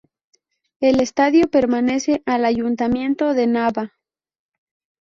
El estadio pertenece al Ayuntamiento de Nava.